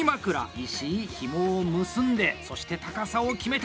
石井、ひもを結んでそして高さを決めた！